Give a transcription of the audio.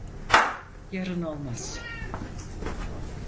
Yarın olmaz.